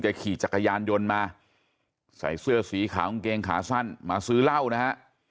ขี่จักรยานยนต์มาใส่เสื้อสีขาวกางเกงขาสั้นมาซื้อเหล้านะฮะ